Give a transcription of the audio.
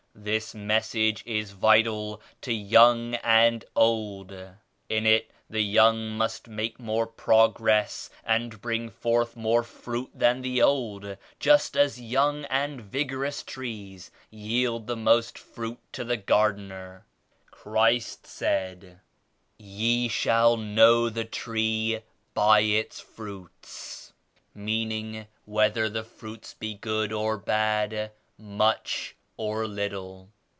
This Message is vital to young and old. In it the young must make more progress and bring forth more fruit than the old ; just as young and vigorous trees yield the most fruit to the gard ener. Christ said *Ye shall know the tree by its fruits,' meaning whether the fruits be good or bad, much or little.